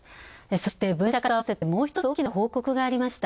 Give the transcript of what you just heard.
そして、分社化とあわせてもう一つ大きな報告がありました。